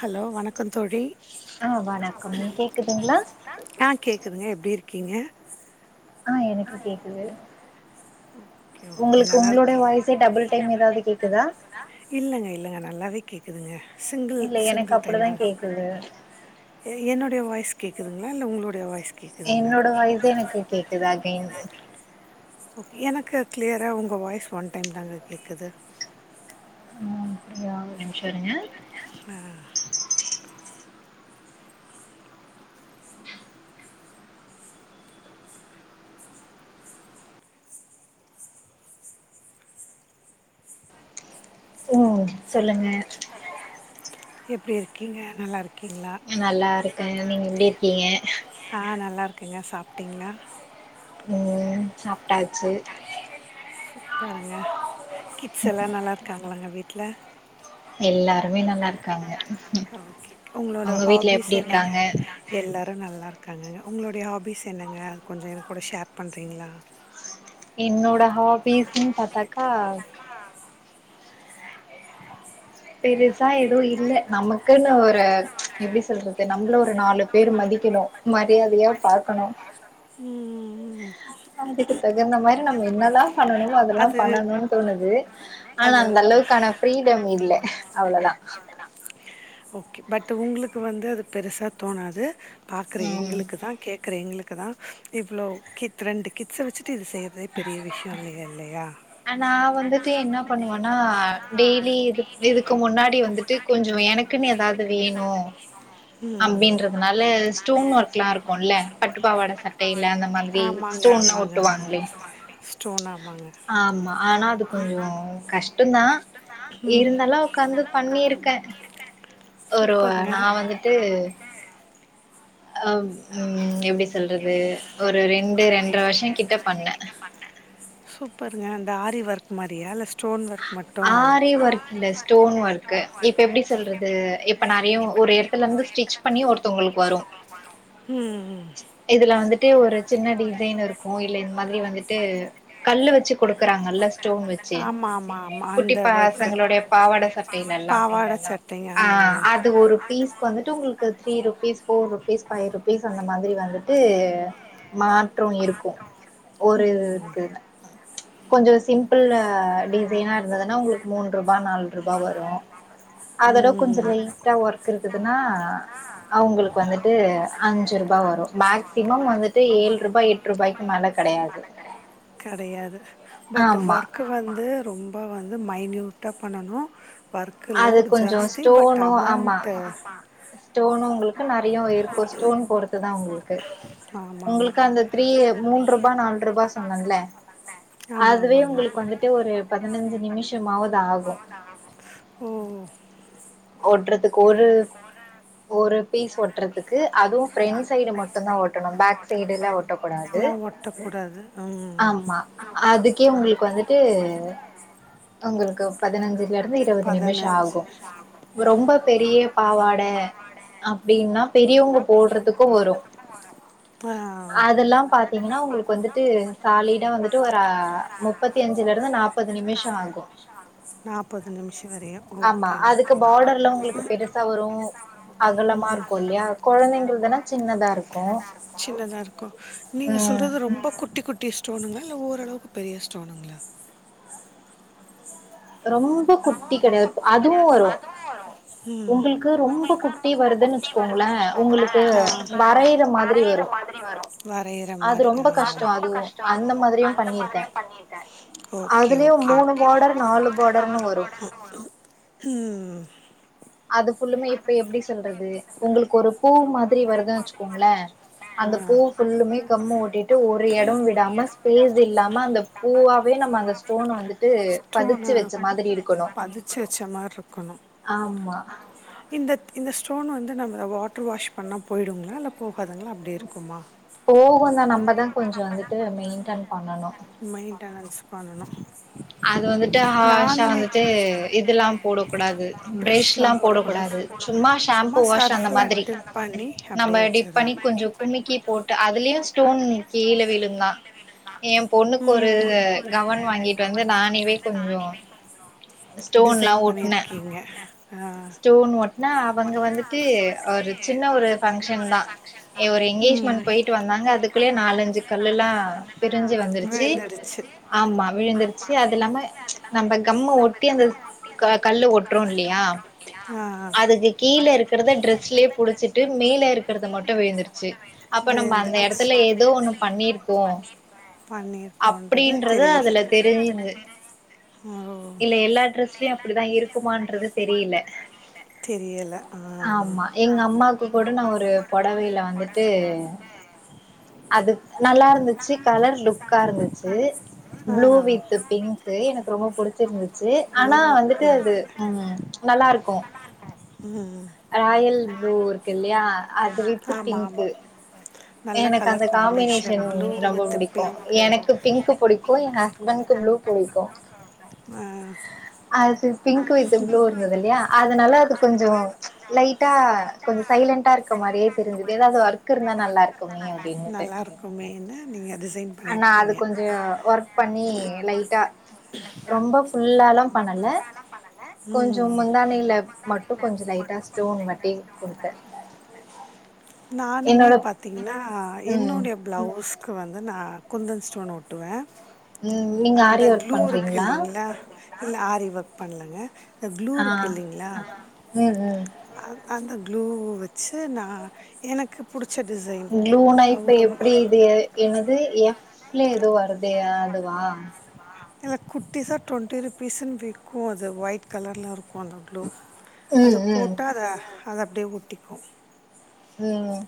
Hello வணக்கம் தோழி ஆ வணக்கம் கேக்குதுங்களா ஆன் கேக்குதுங்க எப்டி இரு கிங்க ஆஹ் எனக்கு கேக்குது ஓகே ஓகே உங்களுக்கு நல்லா உங்களோட இருக்கு வாய்ஸே டபுள் டைம் ஏதாவது கேக்குதா இல்லைங்க இல்லைங்க நல்லாவே கேட்குதுங்க சிங்கிள் இல்ல எனக்கு சிங்கிள் டைம் அப்படிதா தான் கேக்குது எ என்னோட எ வாய்ஸ் கேக்குதுங்களா இல்ல உங்கலோடை வாய்ஸ் கேட்குதுங்களா என்னோட வாய்ஸ் தா எனக்கு கேக்குதா ஆ [unintelligible] இட்ஸ் ஓகே எனக்கு கிளியரா உங்க வாய்ஸ் ஒன் டைம் தான்ங்க கேக்குது ம் அப்படியா ஒரு நிமிஷோ இருங்க ஆஹ உம் சொல்லுங்க எப்டி இருக்கீங்க நல்லா இரு நல்லா இருக்கே நீங்க எப்டி இருக்கீங்க எங்க சாப்பிட்டிங்களா உம் சாப்பட்டாச்சு இப்பறம்ங்க கிட்ஸ் எல்லா நல்லா இருக்காங் [unintelligible] வீட்டில எல்லாருமே நல்லா இருக்காங்க ஒகே உங்களோட உங்க வீட்ல ஹாபிஸ் எப்டி என்னங்க, இருக்காங்க எல்லாரு நல்லா க்காங்க உங்களுடைய ஹாபீஸ் என்னங்க கொஞ்சம் எ கூட ஷேர் பண்ணுறீங்களா என்னோட ஹாபீஸ்ன்னு பாத்தாக்கா பெருசா எதுவு இல்ல நமக்குன்னு ஒரு எப்படி சொல்றது நம்மள ஒரு நாலு பேர் மதிக்கணு மரியாதையா பாக்கணு ம் அதுக்கு தகுந்த மாரி நம்ம என்னல்லாம் பண்ணனும் அதெல்லாம் அது பண்ணணுனு தோணுது ஆனா அது அந்த அளவுக்கான ஃப்ரீடம் இல்ல அவ்ளதா ஓக்கே பட் உங்களுக்கு வந்து அது பெருசா தோணாது பாக்குற ம் எங்களுக்குதா கேட்கற எங்களுக் குதா இவ்ளோ கித் ரெண்டு கிட்ஸ வெச்சு சு இது செய்யறதே பெரிய விஷியோ இ இல்லயா நா வந்துட்டு என்ன பண்ணுவேன்னா டெய்லி இது இதுக்கு முன்னாடி வந்துட்டு கொஞ்சோ எனக்குன்னு எதாவது வேணு ம் அப்படின்றதுனால ஸ்டோன் ஒர்க் எல்லா இருக் குல்ல பட்டுப்பாவாட சட்டையில அந்த மாதிரி ஆமாங்க ஸ்டோன்ல்லா ஆமாங்க ஆமா ஒட்டுவாங்கில்லீங் ஸ்டோன் ஆமாங்க ஆமா ஆனா அது கொஞ்சோ கஷ்டந்தா இருந்தாலு உக்காந்து பண்ணிருக்க ஒரு சூப்பருங்க நா வந்துட்டு அஹ உம் எப்படி சொல்றது ஒரு ரெண்டு ரெண்டரை வருஷங்கிட்ட பண்ண சூப்பருங்க அந்த ஆரி ஒர்க் மாரியா இல்ல ஆரி ஒர்க் இல்ல ஸ்டோன் ஒர்க் இப்ப எப்படி சொல்றது இப்ப நெறயா ஒரு எடத்துல இருந்து ஸ்டிச் பண்ணி ஒருத்தவங்களுக்கு வரு உம் ம் ட்டு ஒரு சின்ன டிசைன் இருக்கு இல்ல இந்த மாரி வந்துட்டு கல்லு வேச்சு குடுக்கறாங்கல்ல ஸ்டோன் வெச்சு ஆமாம் ஆமாம் ஆமாம் குட்டி அந்த ஒர்க்கு பசங்களுடைய பாவாட சட்டைையில எல்லா பாவாடை சட்டைங்க ஆமாங்க அஹ் அது ஒரு பீஸ் வந்துட்டு உங்களுக்கு three rupees four rupees five rupees அந்த மாரி வந்துட்டு மாற்றோ இருக்கு ஒரு இ இருக்கு இதுல ப்ச் கொஞ்சோ சிம்பிள் டி சைனா இருந்ததுனா உங்களுக்கு மூண ரூபா நாலு ரூபா வரு அதோட ம் ம், கொஞ்சோ ம். லைட்டா ஒர்க் இருக்குதுன்னா ஆ அவுங்களுக்கு வந்துட்டு அஞ்சு ரூபா வரு மேக்சிமம் வந்துட்டு ஏழு ரூபா எட்டு ரூபாய்க்கு மேல கெடையாது கெடையாது பட் ஆமா ஒர்க் வந்து ரொம்போ வந்து மைனூட்டா பண்ணணு அது கொஞ்சோ ஸ்டோனு ஆமா அமௌண்ட்டு ஸ்டோனு உங்களுக்கு நெறயா இருக்கு ஸ்டோன் போறதுதா உங்களுக்கு ஆமாம் ஆமாம் உங்களுக்கு அந்த த்ரீ மூன்று ரூபா நாலு ரூபா சொன்னன்ல ஆமாம் அதுவே ஆமாங்க உங்களுக்கு வந்துட்டு ஒரு பதினஞ்சு நிமிஷமாவது ஆகு ஓ ஓட்டுறதுக்கு ஒரு ஒரு பீஸ் ஒட்டுறதுக்கு ஒரு அதுவும் ஃபிரண்ட் சைடு மட்டும் தான் ஒட்டணும் பேக் சைடுல ஒட்டக்கூடாது எல்லாம் ஒட்டக்கூடாது ம் ஆமா அதுக்கே உங்களுக்கு வந்துட்டு உங்களுக்கு பதினஞ்சுல இருந்து இருபது நிமிஷம் பதினஞ்சு ஆகும் ரொம்ப பெரிய பாவாடை அப்படின்னா பெரியவங்க போடுறதுக்கும் வரும் ஆ அதெல்லாம் பாத்தீங்கன்னா உங்களுக்கு வந்துட்டு சாலிடா வந்துட்டு ஒரு முப்பத்தி அஞ்சுல இருந்து நாற்பது நிமிஷம் ஆகும் நாற்பது நிமிஷம் வரையும் ஆமா ஓகே அதுக்கு ஓகே பார்டர்ல உங்களுக்கு பெருசா வரு அகலமா இருக்கு இல்லயா கொழந்தைங்களுதுனா சின்னதா இருக்கு சின்னதாக இருக்கும் ம் ஸ்டோனுங்ளா இல்ல ஓரளவுக்கு பெரிய ஸ்டோனுங்ளா ரொம்ப குட்டி கிடையாது. அதுவும் வரும். ம் உங்களுக்கு ரொம்ப குட்டி வருதுன்னு வச்சுக்கோங்களேன், உங்களுக்கு ஆ வரையிற மாதிரி வரும். வரையிற அது மாரி ரொம்ப ஆ கஷ்டம் அதுவும். அந்த மாதிரியும் பண்ணியிருக்கேன். ஓகே ஓகே ஓகே டரணுவ ம் அது ஃபுல்லுமே இப்ப எப்படி சொல்றது உங்களுக்கு ஒரு பூ பூ மாதிரி வருதுன் வெச்சுக்கோங்ளே அந்த ஆ பூ ஃபுல்லுமே கம்மு ஒட்டிட்டு ஒரு எட விடாம ஸ்பேஸ் இல்லாம அந்த பூவாவே நம்ம அந்த ஸ்டோன வந்துட்டு பதிச்சு ஸ்டோனை வெச்ச மாதிரி இருக்கணு பதிச்சு வச்ச மாதிரி இருக்கணும் ஆமா இந்த இந்த ஸ்டோன் வந்து நம்ம வாட்டர் வாஷ் பண்ணா போயிடுங்ளா இல்ல போ போகுந்தா நம்மதா கொஞ்ச வந்துட்டு மெயின்டென் பண்ணணு மெய்ன்டனன்ஸ் பண்ணனு அது வந்துட்டு ஹாஷா வந்துட்டு இதெல்லா போடக்கூடாது பிரஷ்லா போடக்கூடாது சும்மா சும்மா ஷாம்பூ வாஷ் அந்த சர்ஃபில் மாதிரி டிப் பண்ணி நம்ம அப்படியே டிப் வச்சிடுறது பண்ணி கொஞ்ச குமிக்கி போட்டு அதுலயு ஸ்டோன் கீழ விழுந்தா எம் பொண்ணுக் ம் ஒரு கவன் வாங்கிட் டு வந்து நானேவே கொஞ்ச ஸ்டோன்லா டிசைன் ஒட்ன பண்ணியிருக்கீங்க ஆ ஸ்டோன் ஒட்ன அவங்க வந்துட்டு ஒரு சின்ன ஒரு பங்க்ஷன்தா ஒரு ம் எங்கேஜ்மென்ட் போயிட்டு வந்தாங்க அதுக்குள்ளயே நாலஞ்சு கல்லு எல்லா பிரிஞ்சு வந்துரு சு விழுந்துடுச்சு ஆமா விழுந்திரு ச்சு அது இல்லாம நம்ம கம்ம ஒட்டி அந்த கல்ல ஒட்றோ இல்லையா ஆ அதுக்கு கீழ இருக்கிறத டிரெஸ்லயே புடிச்சிட்டு மேல இருக்கறத மட்டு விழுந்துருச்சு அப்ப நம்ம அந்த விழுந்துடுச்சு எடத்துல ஏதோ ஒண்ணு பண்ணிருக்கோ பண்ணிருக்கோன்றது தெரியுது து ஓ இல்ல எல்லா ட்ரஸ்லயு அப்டிதா இருக்குமான்றதுது தெரியில தெரியலை ஆ ஆமா எங்க அம்மாக்கு கூட நா ஒரு பொடவையில வந்துட்டு அதுக் நல்லாருந்துச்சு கலர் லுக்கா இருந்துச்சு ஆ ப்ளூ வித் பிங்க் எனக்கு ரொம்ப புடிச்சிருந்துச்சு ப்ளூ ஆனா வித் வந்துட்டு பிங்க் அது ம் நல்லாருக்கு ம் ராயல் ப்ளூ இருக்கு இல்லையா அது வித் ஆமாம் பிங்க்கு ஆமாம் நல்ல எனக்கு அந்த கலர் காம்பினேஷன் ப்ளூ ரொம்ப வித் புடிக் கு பிங்க்கு எனக்கு பிங்க் புடிக்கு எங் ஹஸ்பெண்டுக்கு ப்ளூ புடிக்கு அது பிங்க் வித் ப்ளூ இருந்துது இல்லையா அதனால அது கொஞ்ச லைட்டா கொஞ்ச சைலண்ட்டா இருக்க மாரியே தெரிஞ்சுது ஏதாவது ஒர்க் இருந்தா நல்லாருக்கு நல்லா இருக்குமே நீங்க டிசைன் ஆனா அது பண்ணியிருக்கீங்க கொஞ்சம் ஒர்க் பண்ணி லைட்டா ரொம்ப ஃபுல்லாலாம் பண்ணல கொஞ்சோ முந்தானையில மட்டு கொஞ்சோ லைட்டா ஸ்டோன் மாட்டி குடுத்தே நானுமே என்னோட பாத்தீங்கன்னா ம் என்னோட பிளவுஸ்க்கு வந்து நான் குந்தன் ஸ்டோன் ஓட்டுவேன் ம் நீங்க ஆரி ஒர்க் பண்றீங்களா இல்லைங்களா? இல்ல ஆரி ஒர்க் பண்ணலங்க அந்த க்ளூ ஆ இருக்கு இல்லைங்களா ம் ம் அந்த க்ளூ வச்சு நா எனக்கு புடிச் களூனா இப்ப எப்டி இதிய என்னது எஃப்ல எதோ வருதேயா அது வா இல்ல குட்டிசா டொண்ட்டி ருபீஸ்ன்னு விக்கு அது வொயிட் கலர்ல இருக் [unintelligible] அது ம் ம் போட்டா அத அது அப்டியே ஒட்டிக்கு ம்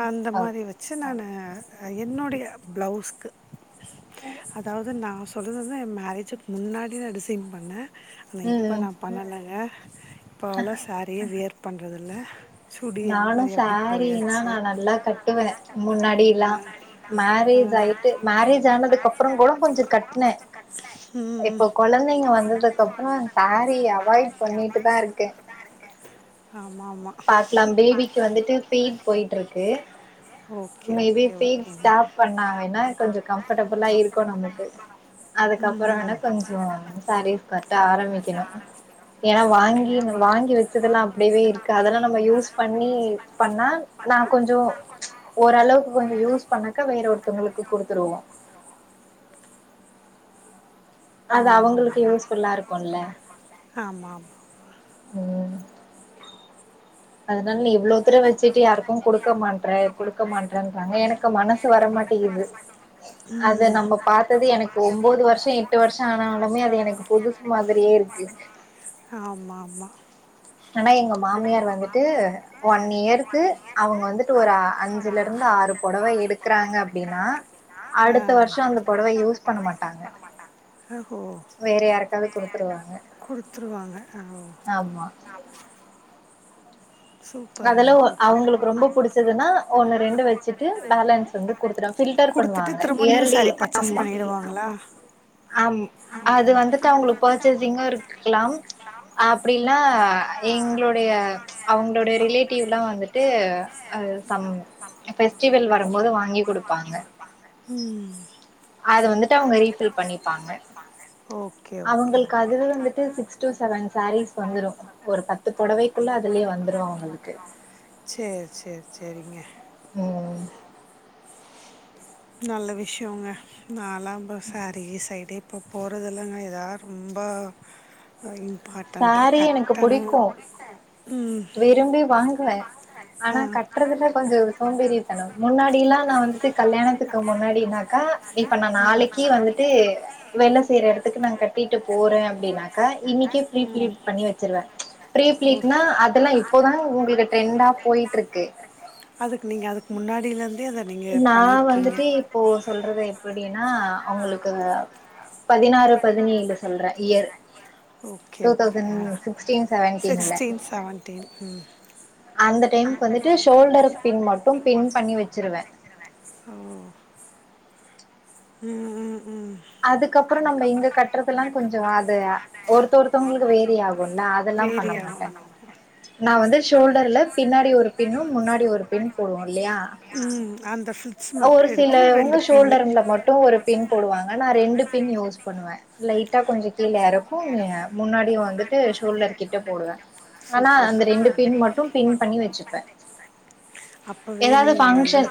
அந்த ஓ மாரி வெச்சு நானு என்னோடய ப்ளவுஸ்க்கு அதாவது நா சொல்லுலது ஏ மேரேஜுக்கு முன்னாடி நா டிசைன் பண்ண ஆன ம் இப்ப ம் நா பண்ணலங்க இப்ப அவ்ளோ சேரியே வேர் பண்றது இல்ல நானு சேரீனா நா நல்லா கட்டுவே முன்னாடி எல்லா மேரேஜ் ஆயிட்டு மேரேஜ் ஆனதுக்கப்ரோங் கூட கொஞ்சோ கட்ன கொஞ்சோ கட்ல ம் ம் இப்ப வந்ததுக்கு கொழந்திங்க அப்புறோ வந்ததுக்கப்ரோ சாரீ அவாய்ட் சாரி பண்ணிட்டு தா அவாய்ட் இருக்கே பண்ணிட்டுதா இருக்க பாக்கலாம் பேபிக்கு வந்துட்டு பீட் போய்ட்ருக்கு ஓகே மேபீ ஓகே பீட் ஓகேங்க ஸ்டாப் பண்ணா வேனா கொஞ்ச கம்படபுளா இருக்கூ நமக்கு ம் அதுக்கப்றோ வேணா கொஞ்சோ சாரீஸ் கட்ட ஆரம்பிக்கணு ஏன்னா வாங்கி வாங்கி வச்சதெல்லா அப்டியவே இருக்கு அதெல்லா நம்ம யூஸ் பண்ணி பண்ணா நா கொஞ்சோ ஓரளவுக்கு கொஞ்சோ யூஸ் பண்ணக்க வேற ஒருத்தங்ளுக்கு குடுத்துருவோ அது ஆமாம் ஆமாம் அவுங்களுக்கு யூஸ்ஃபுல்லா இருக்குல ஆமாம் ஆமாம் ம் அதுனால நீ இவ்லோ தர வச்சிட்டு யாருக்கு குடுக்க மாட்ற குடுக்க மாட்றேன்டாங்க எனக்கு மனசு த்து வரமாட்டிகுது அத ம் நம்ம பாத்தது எனக்கு ஒம்போது வருஷோ எட்டு வருஷோ ஆனாலுமே அது எனக்கு புதுசு மாதிரியே இருக்கு ஆமாம் ஆமாம் ஆனா எங்க மாமியார் வந்துட்டு ஒன் இயருக்கு அவுங்க வந்துட்டு ஒரு அஞ்சுலிருந்து ஆறு பொடவ எடுக்கறாங்க அப்டினா ஆ அடுத்த வருஷோ அந்த பொடவ யூஸ் மாட்டாங்க பண்ண மாட்டாங்க அஹோ வேற யாருக்காவது வேற யாருக்காது கொடுத்துருவாங்க குடுத்துருவாங்க குடுத்துருவாங்க அ ஓ ஆமா ஆமா அதெல்லா ஓ சூப்பர் அவுங்களுக்கு ரொம்ப புடுச்சதுன்னா ஒண்ணு ரெண்டு வச்சுட்டு பேலன்ஸ் து வந்து குடுத்துவாங்க ஃபில்டர் கொடுத்துட்டு பண்ணுவாங்க திரும்ப நியூ இயர்லி பர்ச்சேஸ் ஆமா பண்ணிடுவாங்களா ஆம் அது வந்துட்டு அவங்களுக் ஃபச்சேசிங்கு இருக்லாம் அப்டி இல்ன்னா எங்ளுடைய அவுங் லோட ரிலேட்டிவ்லா வந்துட்டு அ சம் ஃபெஸ்டிவல் வரும்போது வாங்கி குடுப்பாங்க ம் அத வந்துட்டு அவுங்க ரீஃபில் பண்ணிப்பாங்க ஓகே ஓகே அவங்களுக்கு ஓகே அதுவே வந்துட்டு சிக்ஸ் டு செவன் சாரீஸ் வந்துரும் ஒரு பத்து புடவைக்குள்ள அதுலயே வந்துரும் அவங்களுக்கு சேரி சேரி செரிங்க உம் நல்ல விஷயங்க நான் ல்லாம் சாரி சைடே இப்போ போறதில்லங்க எதாவது ரொம்ப இம் சாரி எனக்கு புடிக்கும் ம் விரும்பி வாங்குவேன் ஆனா ஆ கட்டுறதுல கொஞ்சோ சோம்பேரியத்தனம் முன்னாடியெல்லா நான் வந்துட்டு கல்யாணத்துக்கு முன்னாடினாக்கா இப்ப நான் நாளைக்கு வந்துட்டு வேல செய்யற இடத்துக்கு நான் கட்டிட்டு போறேன் அப்படின்னாக்கா இன்னிக்கு ப்ரீ ப்ளீட் பண்ணி வச்சிருவேன் ச்சு ப்ரீ ப்ளீட்னா ஓகே அதெல்லா இப்போதான உங்களுக்கு ட்ரெண்டா போயிட்டு இருக்கு அதுக் நீங்க அதுக்கு முன்னாடியில இருந் நான் வந்துட்டு இப்போ சொல்றத எப்படி னா அவங்களுக்கு பதினாறு பதினேழு சொல்றேன் year okay two okay thousand ஆ சிஸ்ட்டின் செவன்டீன்ல சிக்ஸ்டீன் செவன்டீன் ம் அந்த டைம்கு வந்துட்டு சோல்டர் பின் மட்டும் பின்பண்ணி வச்சிருவேன் ஓ உம் உம் அதுக்கப்புறோ நம்ம இங்க கட்டுறது எல்லா கொஞ்சோ அது ஒருத்த ஒருத்தவங்களுக்கு வேரி ஆகும்ல அதெல்லா பண்ண வேரி மாட்டேன் ஆகும் நான் வந்து ஷோல்டர்ல பின்னாடி ஒரு பின்னும் முன்னாடி ஒரு பின் போடுவோம் இல்லயா ம் அந்த ஃபிட்ஸ் ஒரு மட்டும் எடுத்து சிலவுவங்க ரெண்டு பின்னு ஷோல்டர்ல மட்டும் பின் போடுவாங்க நான் ரெண்டு பின் யூஸ் பண்ணுவ லைட்டா கொஞ்சொ கீழ எறக்கு முன்னாடி வந்து ட்டு ஷோல்டர் கிட்ட போடுவ ஆனா சூப்பர் அந்த ரெண்டு சூப்பர் பின் மட்டு பின் பண்ணி வெச்சிப்பே அப்பவே நீங்க வந்து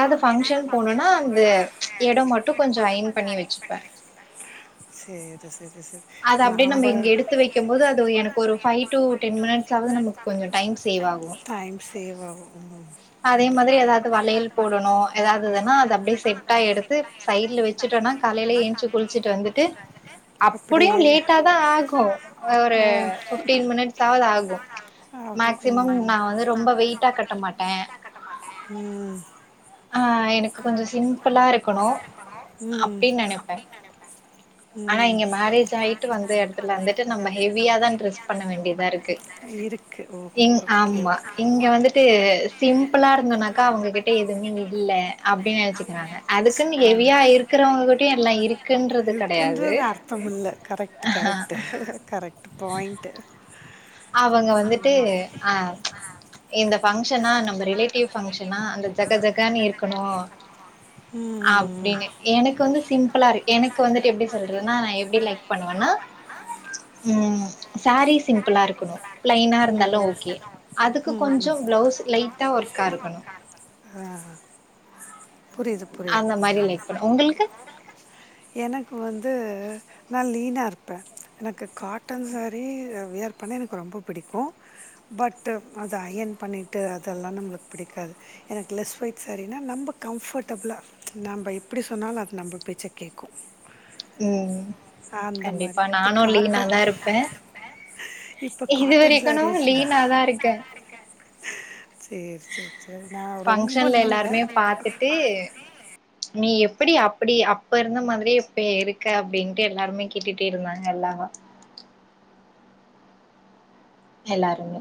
தாது பங்கஷன் போனனா அந்த எடொ மட் கொஞ்சொ ஐயன் பண்ணி வச்சுப்பே சேரி சே அது அப்டே நம்ம இங்க எடுத்து வைக்கும் போது அதுவு எனக்கொரு ஃபைவ் டூ டென் மினிட்ஸ் சாவது நமக் கொஞ்ச டைம் சேவ் ஆகு டைம் சேவாகுவு தே ஏதாது வலையல் போடணோ ஏதாது துதுனா அது அப்டே செட்டா எடுத்து சைட்ல வெச்சுட்டோனா காலைல ஏன்ச்சு குளிச்சுட்டு வந்துட்டு அப்டியு அப்படியே லேட்டா தா ஆகு ஒரு ஆ, ஃபிட்டின் மினிட்ஸாவது ஆகு ஆகும் மேக்சிமம் ம் நா வந்து ரொம்ப வெயிட்டா கட்ட மாட்டே ம் ஆ எனக்கு கொஞ்சோ சிம்புளா இருக்கணு ம் அப்டின் நெனப்பே ம் மேரேஜ் ஆயிட்டு வந்த இடத்துல வந்துட்டு நம்ம ஹெவியா தா ட்ரெஸ் பண்ண வேண்டியதா இருக்கு இருக்கு ஓகே இங் ஓகே ஆமா இங்க வந்துட்டு சிம்பிளா இருந்தோனாக்கா அவுங்ககிட்ட எதுவுமே இல்ல அப்டின்னு நெனச்சிக்குறாங்க அதுக்குன்னு ஹெவியா இருக்கறவங்கிட்ட எல்லா இருக்குன்றது கிடயா இருக்குன்றது அர்த்தம் இல்ல கரெக்டு கரெக்டு கரெக்ட் பாயிண்ட்டு அவுங்க வந்துட்டு அ இந்த பங்ஷனா நம்ம ரிலேட்டிவ் பங்ஷனா அந்த ஜக ஜகானு இருக்கனு ம் அப்டினு எனக்கு வந்து சிம்பிளா இரு எனக்கு வந் எப்டி சொல்றதுனா ந எப்டி லைக் பண்ணுவனா ம் சாரிஸ் சிம் ப்புலா இருக்கனு பிளைனா இருந்தாலு ஓகே அதுக்கு கொஞ்சோ பிளவுஸ் லைட்டா ஒர்க்கா இருக்கனு புரியிது புரியிது புரியிது பண்ணுவே. உங்களுக்கு? எனக்கு வந்து நா லீனா இருப்பே எனக்கு காட்டன் சேரீ வியர் பண்ண எனக்கு ரொம்ப பிடிக்கு பட் அத அயன் பண்ணிட்டு அதெல்லா நம்மளுக் பிடிக்காது எனக்கு லெஸ் வெயிட் சேரீனா நம்ப கம்ஃபர்டபிளா நம்ம எப்டி சொன்னாலு அது நம்ப பேச்ச கேக்கு உம் மாதிரி கண்டிப்பா இப்போ நானு காட்டன் லீனாதா இருப்ப இப்போ இது காட்டன் வரைக்கனு சாரீஸ்லாம் லீனாதா இருக்க சேரி சேரி சேரி நா ரொம்ப லீன் எல்லாருமே இல்ல பாத்துட்டு நீ எப்டி அப்டி அப்ப இருந்த மாதிரியே இப்ப இருக்க அப்டின்ட்டு எல்லாருமே கேட்டுட்டே இருந்தாங்க எல்லாரு எல்லாருமே